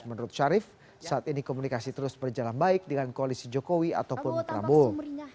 menurut syarif saat ini komunikasi terus berjalan baik dengan koalisi jokowi ataupun prabowo